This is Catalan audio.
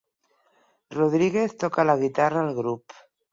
Rodríguez toca la guitarra al grup.